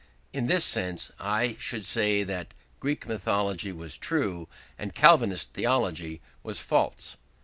In this sense I should say that Greek mythology was true and Calvinist theology was false.